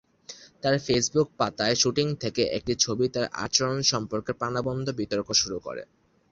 তার ফেসবুক পাতায় শুটিং থেকে একটি ছবি তার আচরণ সম্পর্কে প্রাণবন্ত বিতর্ক শুরু করে।